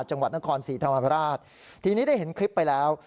จังหวัดนครศรีธรรมราชทีนี้ได้เห็นคลิปไปแล้ว